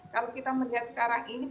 kalau kita melihat sekarang ini